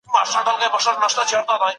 انسان د الهي روح په برکت ژوندی سوی دی.